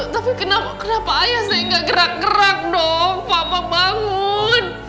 tapi kenapa kenapa ayah saya gak gerak gerak dong papa bangun